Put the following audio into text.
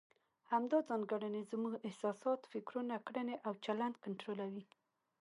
همدا ځانګړنې زموږ احساسات، فکرونه، کړنې او چلند کنټرولوي.